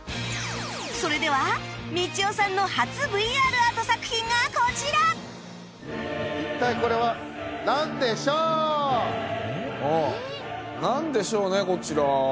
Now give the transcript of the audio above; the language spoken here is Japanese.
それではみちおさんの初 ＶＲ アート作品がこちらなんでしょうねこちら。